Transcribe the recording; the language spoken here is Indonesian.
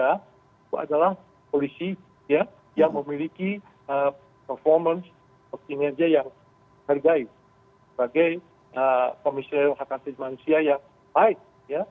itu adalah polisi ya yang memiliki performance of kinerja yang terbaik sebagai komisioner hak asasi manusia yang baik ya